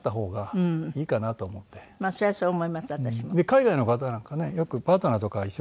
海外の方なんかねよくパートナーとか一緒に。